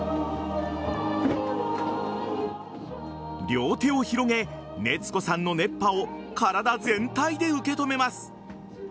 両手を広げ、熱子さんの熱波を体全体で受け止めます。